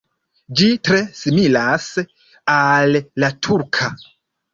Ĝi tre similas al la turka.